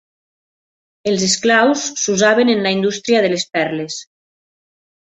Els esclaus s'usaven en la indústria de les perles.